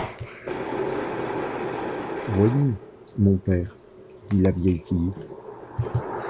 Voyons, mon père, dit la vieille fille.